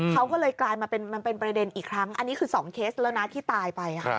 เขาก็เลยกลายมามันเป็นประเด็นอีกครั้งอันนี้คือ๒เคสแล้วนะที่ตายไป